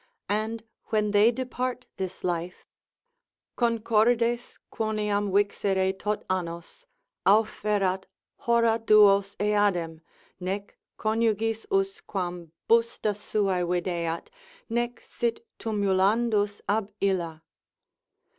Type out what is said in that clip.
And when they depart this life, ———concordes quoniam vixere tot annos, Auferat hora duos eadem, nec conjugis usquam Busta suae videat, nec sit tumulandus ab illa.